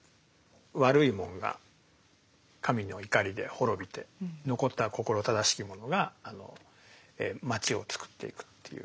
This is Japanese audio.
悪いものが神の怒りで滅びて残った心正しきものが町をつくっていくという。